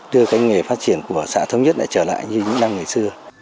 đưa cái nghề phát triển của xã thống nhất lại trở lại như những năm ngày xưa